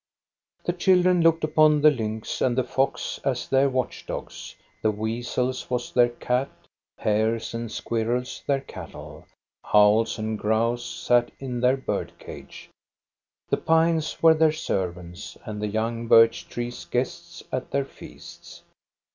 The children looked upon the lynx and the fox as their watch dogs, the weasel was their cat, hares and squirrels their cattle, owls and grouse sat in their bird cage, the pines were their servants, and the young birch trees guests at their feasts.